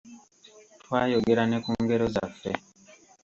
Twayogera ne ku ngero zaffe.